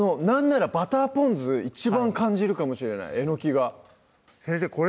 なんならバターポン酢一番感じるかもしれないえのきが先生